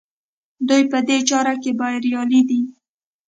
دوی په دې چاره کې بریالي دي.